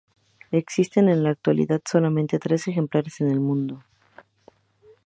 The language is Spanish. Existen en la actualidad solamente tres ejemplares en el mundo.